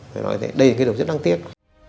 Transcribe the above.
đây là cái điều rất đáng tiếc